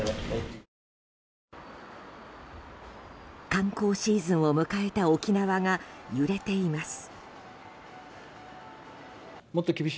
観光シーズンを迎えた沖縄が揺れています。